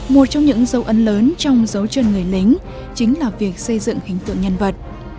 một trong những dấu ấn lớn trong dấu chân người lính chính là việc xây dựng hình tượng nhân vật